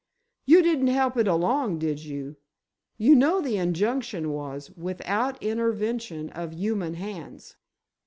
"You didn't help it along, did you? You know the injunction was, 'without intervention of human hands.